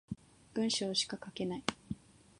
文章しか書けない